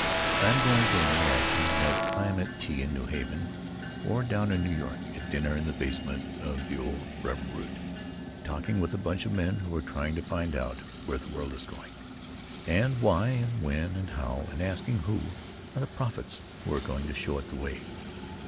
I am going to imagine that I am at tea in New Haven, or down in New York, at dinner in the basement of the old Brevoort, talking with a bunch of men who are trying to find out where the world is going, and why and when and how, and asking who are the prophets who are going to show it the way.